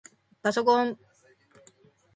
パソコン